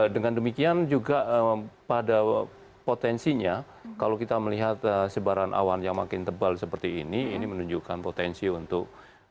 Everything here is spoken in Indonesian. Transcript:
dengan demikian juga pada potensinya kalau kita melihat sebaran awan yang makin tebal seperti ini ini menunjukkan potensi untuk